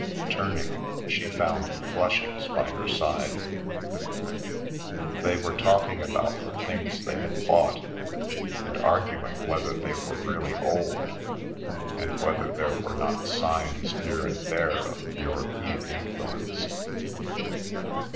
Turning, she found the Flushings by her side. They were talking about the things they had bought and arguing whether they were really old, and whether there were not signs here and there of European influence.